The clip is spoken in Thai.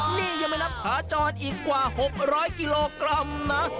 นี่ยังไม่นับขาจรอีกกว่า๖๐๐กิโลกรัมนะ